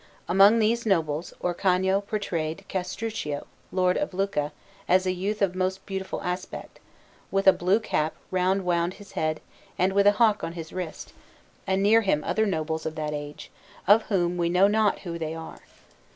Among these nobles Orcagna portrayed Castruccio, Lord of Lucca, as a youth of most beautiful aspect, with a blue cap wound round his head and with a hawk on his wrist, and near him other nobles of that age, of whom we know not who they are.